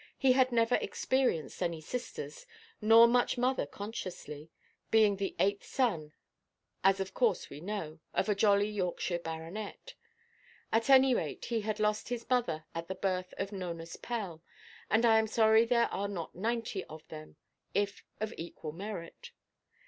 He had never experienced any sisters, nor much mother consciously—being the eighth son, as of course we know, of a jolly Yorkshire baronet; at any rate he had lost his mother at the birth of Nonus Pell; and I am sorry there are not ninety of them, if of equal merit.